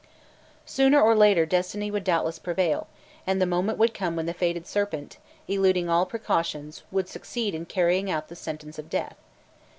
Sooner or later destiny would doubtless prevail, and the moment would come when the fated serpent, eluding all precautions, would succeed in carrying out the sentence of death.